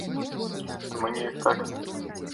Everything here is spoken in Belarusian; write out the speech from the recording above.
То мы неяк так.